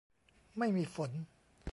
ไม่มีฝน